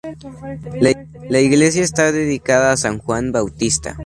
La iglesia está dedicada a san Juan Bautista.